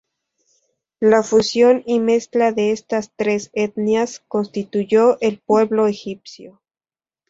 La fusión y mezcla de estas tres etnias constituyó el pueblo egipcio.